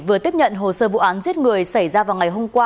vừa tiếp nhận hồ sơ vụ án giết người xảy ra vào ngày hôm qua